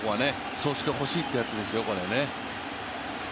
そうしてほしいというやつですいよ。